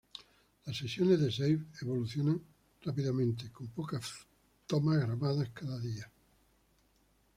Las sesiones de "Saved" evolucionar rápidamente, con pocas tomas grabadas cada día.